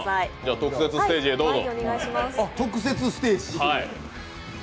特設ステージへどうぞ。